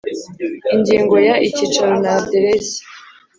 Ingingo ya Icyicaro n aderesi